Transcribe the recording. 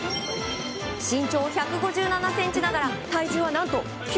身長１５７ｃｍながら体重は何と９２ｋｇ。